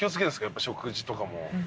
やっぱ食事とかも。